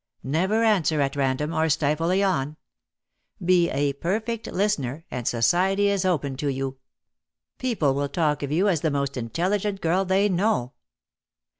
Never answer at random, or stifle a yawn. Be a perfect listener, and society is open to you. People will talk of you as the most intelligent girl they know.''